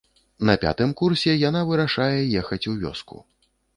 На пятым курсе яна вырашае ехаць у вёску.